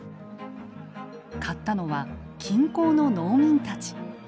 買ったのは近郊の農民たち。